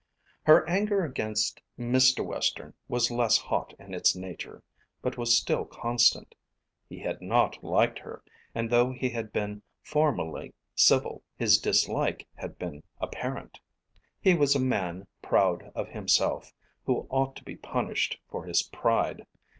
Her anger against Mr. Western was less hot in its nature but was still constant. He had not liked her, and though he had been formally civil, his dislike had been apparent. He was a man proud of himself, who ought to be punished for his pride.